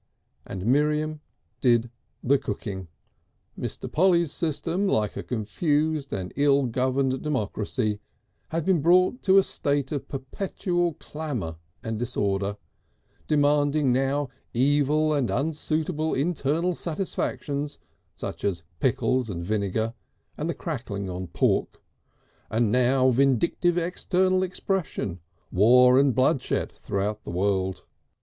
And Miriam did the cooking. Mr. Polly's system, like a confused and ill governed democracy, had been brought to a state of perpetual clamour and disorder, demanding now evil and unsuitable internal satisfactions, such as pickles and vinegar and the crackling on pork, and now vindictive external expression, war and bloodshed throughout the world.